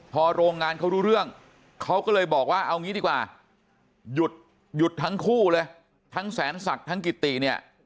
พอโรงงานเขารู้เรื่องเขาก็เลยบอกว่าเอางี้ดีกว่าหยุดหยุดทั้งคู่เลยทั้งแสนศักดิ์ทั้งกิติเนี่ย